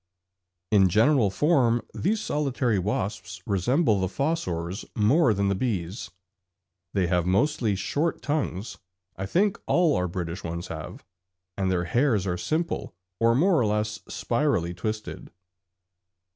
In general form these solitary wasps resemble the fossors more than the bees; they have mostly short tongues (I think all our British ones have), and their hairs are simple or more or less spirally twisted.